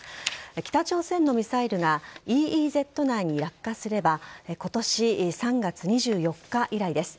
北朝鮮のミサイルがＥＥＺ内に落下すれば今年３月２４日以来です。